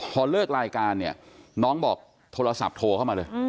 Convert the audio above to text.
พอเลิกรายการเนี่ยน้องบอกโทรศัพท์โทรเข้ามาเลย